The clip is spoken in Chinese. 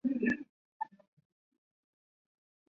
趾尖有发展完善的盘状物。